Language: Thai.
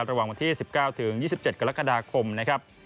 ระหว่างวันที่๑๙ถึง๒๗กรกฎาคมนะครับ